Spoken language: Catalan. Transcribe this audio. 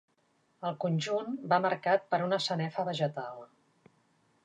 El conjunt va marcat per una sanefa vegetal.